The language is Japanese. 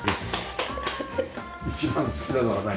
一番好きなのは何？